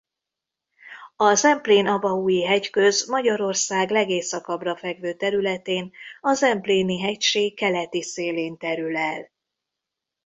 A Zemplén-Abaúji Hegyköz Magyarország legészakabbra fekvő területén a Zempléni-hegység keleti szélén terül el.